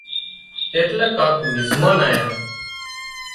ايٽليڪ ڪانڪ مزمان آيان